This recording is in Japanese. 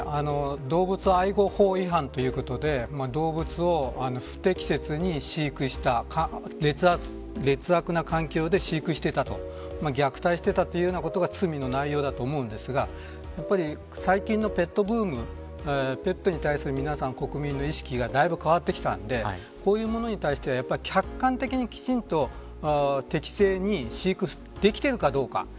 動物愛護法違反ということで動物を不適切に飼育した劣悪な環境で飼育していたと虐待していたというようなことが罪の内容だと思うんですがやはり最近のペットブームペットに対する国民の意識がだいぶ変わってきたんでこういうものに対して客観的にきちんと適正に飼育できているかどうか。